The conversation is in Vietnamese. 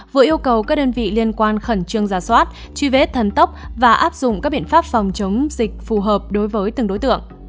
vừa yêu cầu các đơn vị liên quan khẩn trương ra soát truy vết thần tốc và áp dụng các biện pháp phòng chống dịch phù hợp đối với từng đối tượng